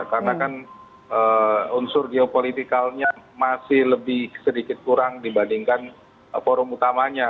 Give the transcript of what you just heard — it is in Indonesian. karena kan unsur geopolitikalnya masih lebih sedikit kurang dibandingkan forum utamanya